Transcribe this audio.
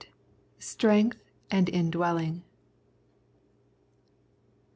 VIII. STRENGTH AND INDWELLING.